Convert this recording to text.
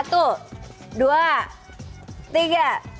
ini siapa nih